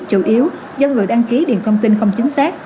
chủ yếu do người đăng ký điện thông tin không chính xác